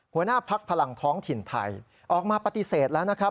หัวหน้าพักพลังท้องถิ่นไทยออกมาปฏิเสธแล้วนะครับ